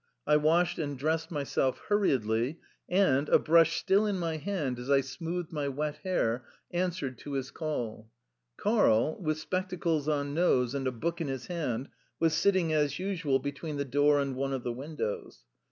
I washed and dressed myself hurriedly, and, a brush still in my hand as I smoothed my wet hair, answered to his call. Karl, with spectacles on nose and a book in his hand, was sitting, as usual, between the door and one of the windows.